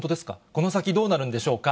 この先、どうなるんでしょうか？